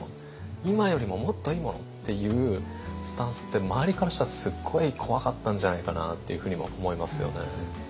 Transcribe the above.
今よりももっといいものっていうスタンスって周りからしたらすっごい怖かったんじゃないかなっていうふうにも思いますよね。